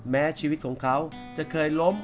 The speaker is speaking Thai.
แม้ชีวิตของเขาจะเคยล้ม